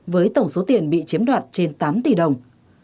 với tổng số tiền bị chiếm đoạt trên tám tỷ đồng